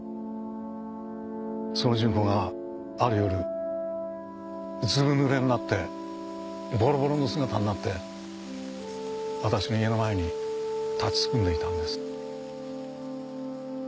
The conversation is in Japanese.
その純子がある夜ずぶ濡れになってボロボロの姿になって私の家の前に立ちすくんでいたんです。